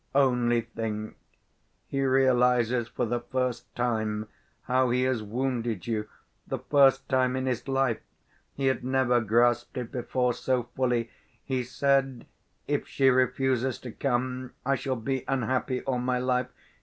Only think, he realizes for the first time how he has wounded you, the first time in his life; he had never grasped it before so fully. He said, 'If she refuses to come I shall be unhappy all my life.